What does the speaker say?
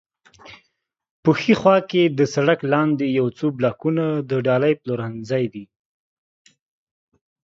په ښي خوا کې د سړک لاندې یو څو بلاکونه د ډالۍ پلورنځی دی.